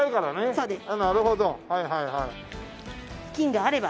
そうですね。